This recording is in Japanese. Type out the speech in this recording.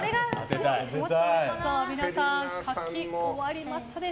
皆さん、書き終わりましたか。